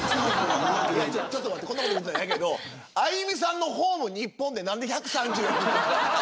ちょっと待ってこんなこと言うのあれやけど亜由美さんのホーム日本で何で１３０人。